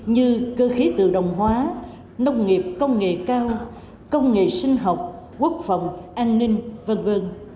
như cơ khí tự động hóa nông nghiệp công nghệ cao công nghệ sinh học quốc phòng an ninh v v